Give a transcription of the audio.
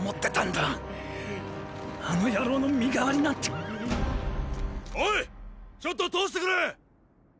あのヤローの身代わりなんておいちょっと通してくれ！